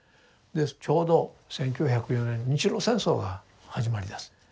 ちょうど１９０４年日露戦争が始まりだす。